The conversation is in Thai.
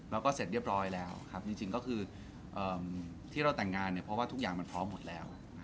แล้วก็เสร็จเรียบร้อยแล้วครับจริงก็คือที่เราแต่งงานเนี่ยเพราะว่าทุกอย่างมันพร้อมหมดแล้ว